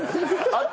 あっ！